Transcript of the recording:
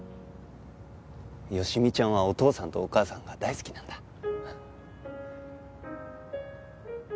好美ちゃんはお父さんとお母さんが大好きなんだ？